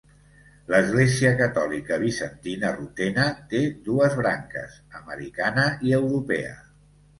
L'Església catòlica Bizantina Rutena té dues branques: americana i europea.